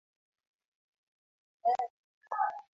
Hukutana katika kujadili mambo mbali mbali yanayohusu maendeleo yao